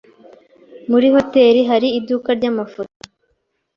Muri hoteri hari iduka ryamafoto?